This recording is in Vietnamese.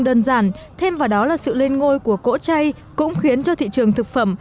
đơn giản thêm vào đó là sự lên ngôi của cỗ chay cũng khiến cho thị trường thực phẩm